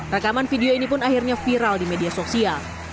rekaman video ini pun akhirnya viral di media sosial